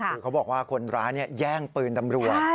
คือเขาบอกว่าคนร้ายแย่งปืนตำรวจ